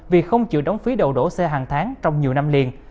vì không chịu đóng phí đầu đổ xe hàng tháng trong nhiều năm liền